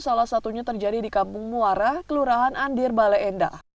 salah satunya terjadi di kampung muara kelurahan andir bale endah